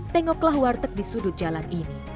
tengoklah warteg di sudut jalan ini